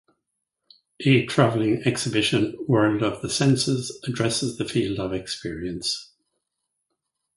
A traveling exhibition World of the Senses addresses the field of experience.